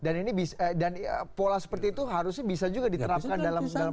dan ini bisa dan pola seperti itu harusnya bisa juga diterapkan dalam persoalan ini